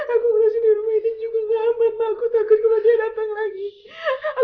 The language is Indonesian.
aku nggak mau ke lodi sampai datang lagi sa